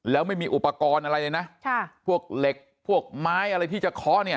แล้วไม่มีอุปกรณ์อะไรเลยนะพวกเหล็กพวกไม้อะไรที่จะเคาะเนี่ย